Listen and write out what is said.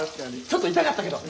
ちょっと痛かったけど！